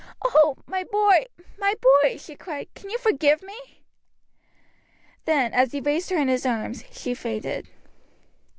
"Oh! my boy, my boy!" she cried, "can you forgive me?" Then, as he raised her in his arms, she fainted.